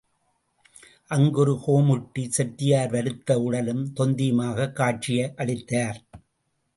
அங்கு ஒரு கோமுட்டி செட்டியார் வருத்த உடலும், தொந்தியுமாகக் காட்சியளித்தார்.